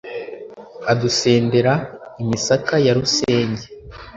adusendera imisaka ya rusenge